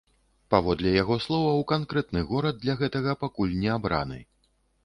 Паводле яго словаў, канкрэтны горад для гэтага пакуль не абраны.